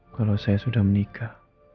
kalo saya sudah menikah